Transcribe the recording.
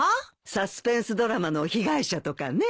サスペンスドラマの被害者とかね。